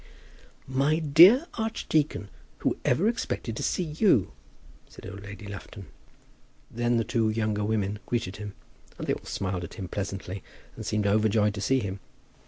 "My dear archdeacon, who ever expected to see you?" said old Lady Lufton. Then the two younger women greeted him. And they all smiled on him pleasantly, and seemed overjoyed to see him.